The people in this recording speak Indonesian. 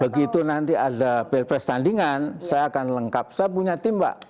begitu nanti ada pilpres tandingan saya akan lengkap saya punya tim pak